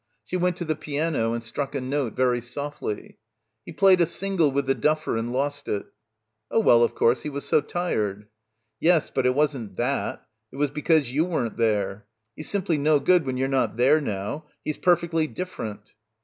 She went to the piano and struck a note very softly. "He played a single with the duffer and lost it." — 31 — PILGRIMAGE "Oh, well, of course, he was so tired." "Yes, but it wasn't that. It was because you weren't there. He's simply no good when you're not there, now. He's perfectly different."